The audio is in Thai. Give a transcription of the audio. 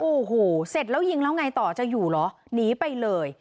โอ้โหเสร็จแล้วยิงแล้วไงต่อจะอยู่เหรอหนีไปเลย